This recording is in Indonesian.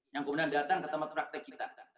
yang kemudian datang ke tempat praktek cetak